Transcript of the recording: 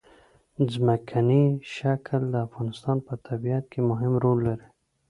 ځمکنی شکل د افغانستان په طبیعت کې مهم رول لري.